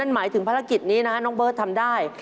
หมายถึงภารกิจนี้นะน้องเบิร์ตทำได้